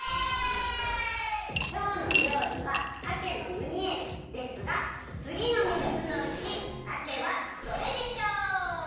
きょうのりょうりはさけのムニエルですがつぎのみっつのうちさけはどれでしょう？